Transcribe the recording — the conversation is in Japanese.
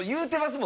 もん